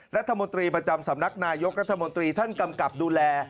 รัฐมนตรีประจำสำนักนายกรัฐมนตรีท่านกำกับดูแล